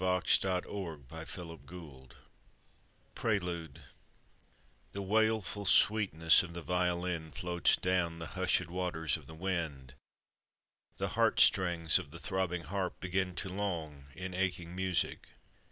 ODE TO THE SETTING SUN PRELUDE The wailful sweetness of the violin Floats down the hushèd waters of the wind; The heart strings of the throbbing harp begin To long in aching music.